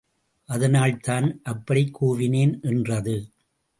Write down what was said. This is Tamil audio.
அதனால்தான் அப்படிக் கூவினேன் என்றது.